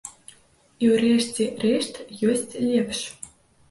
І ўрэшце рэшт ёсць лепш.